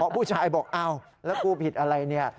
เออพี่ผู้ชายบอกอ้าวแล้วกูผิดอะไรนี่